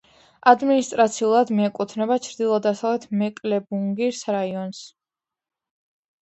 ადმინისტრაციულად მიეკუთვნება ჩრდილო-დასავლეთ მეკლენბურგის რაიონს.